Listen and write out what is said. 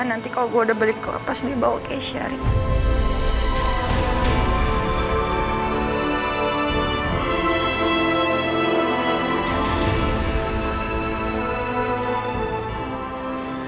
nanti kalo gue udah balik ke laplas dia bawa keisha rick